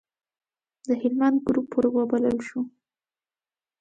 د هلمند ګروپ وروبلل شو.